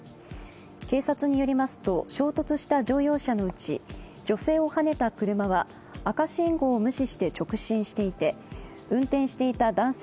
警察によりますと、衝突した乗用車のうち女性をはねた車は赤信号を無視して直進していて運転していた男性